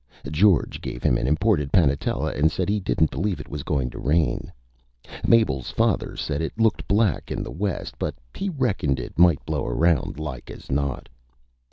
George gave him an Imported Panetella and said He didn't believe it was going to Rain. Mabel's Father said it looked Black in the West, but he Reckoned it might blow around, like as not.